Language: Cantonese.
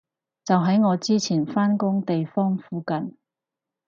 就喺我之前返工地方附近